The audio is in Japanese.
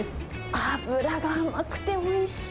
脂が甘くておいしい。